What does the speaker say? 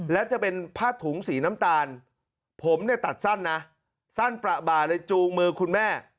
และจะเป็นผ้าถุงสีน้ำตาลผมเนี่ยตัดสั้นนะสั้นประบาเลยจูงมือคุณแม่